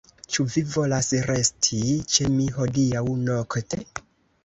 Ĉu vi volas resti ĉe mi hodiaŭ nokte?